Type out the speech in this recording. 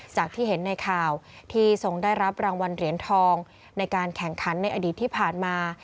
ที่เห็นในข่าวที่ทรงได้รับรางวัลเหรียญทองในการแข่งขันในอดีตที่ผ่านมา